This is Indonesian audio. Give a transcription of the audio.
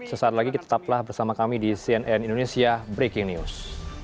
sesaat lagi tetaplah bersama kami di cnn indonesia breaking news